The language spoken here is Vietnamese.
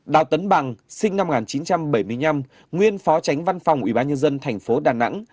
đào tấn bằng sinh năm một nghìn chín trăm bảy mươi năm nguyên phó tránh văn phòng ủy ban nhân dân tp đà nẵng